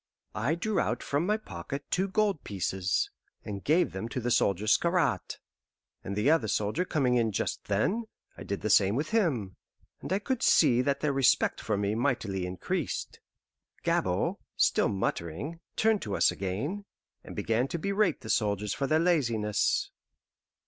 I drew out from my pocket two gold pieces, and gave them to the soldier Scarrat; and the other soldier coming in just then, I did the same with him; and I could see that their respect for me mightily increased. Gabord, still muttering, turned to us again, and began to berate the soldiers for their laziness.